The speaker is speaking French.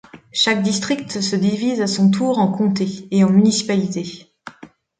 Chaque district se divise à son tour en comtés et en municipalités.